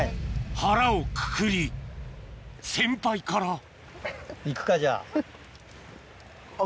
腹をくくり先輩から行くかじゃあ。